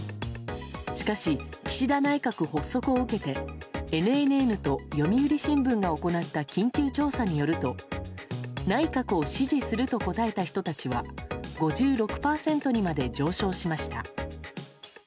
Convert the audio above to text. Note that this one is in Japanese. しかし、岸田内閣発足を受けてＮＮＮと読売新聞が行った緊急調査によると内閣を支持すると答えた人たちは５６％にまで上昇しました。